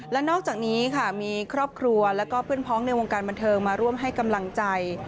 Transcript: และนอกจากนี้ค่ะมีครอบครัวแล้วก็เพื่อนพ้องในวงการบันเทิงมาร่วมให้กำลังใจ